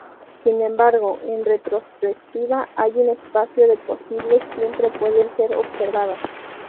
Sin embargo, en retrospectiva, un espacio de posibles siempre pueden ser observadas.